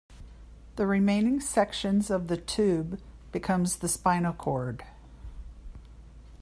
The remaining sections of the tube becomes the spinal cord.